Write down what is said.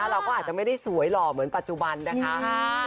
เราก็อาจจะไม่ได้สวยหล่อเหมือนปัจจุบันนะคะ